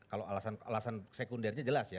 kalau alasan sekundernya jelas ya